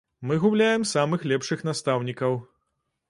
Мы губляем самых лепшых настаўнікаў.